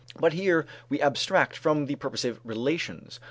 But here we abstract from the purposive relations.